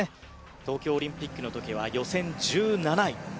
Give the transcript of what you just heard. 東京オリンピックの時は予選１７位。